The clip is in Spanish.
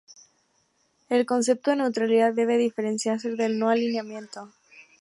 El concepto de neutralidad debe diferenciarse del de no-alineamiento.